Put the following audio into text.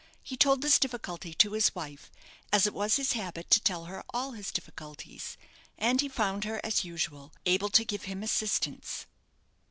He told this difficulty to his wife, as it was his habit to tell her all his difficulties; and he found her, as usual, able to give him assistance.